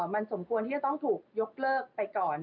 มันสมควรที่จะต้องถูกยกเลิกไปก่อน